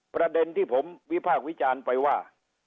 ประเด็นที่ผมวิพากษ์วิจารณ์ไปว่า